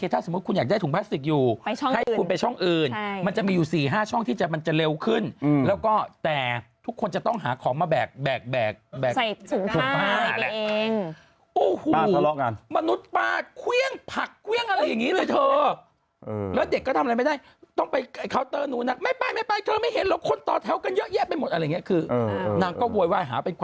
ถ้าใกล้กับอยู่คุณแม่คุณเรียกว่ามนุษย์พี่ก็บอก